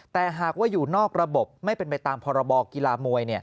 แต่หากว่าอยู่นอกระบบไม่เป็นไปตามพรบกีฬามวย